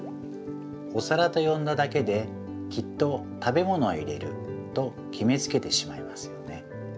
おさらとよんだだけできっと食べものを入れるときめつけてしまいますよね。